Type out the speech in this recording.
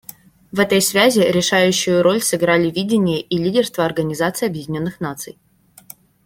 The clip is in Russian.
В этой связи решающую роль сыграли видение и лидерство Организации Объединенных Наций.